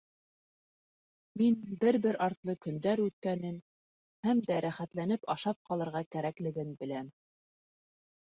Мин бер-бер артлы көндәр үткәнен, һәм дә рәхәтләнеп ашап ҡалырға кәрәклеген беләм.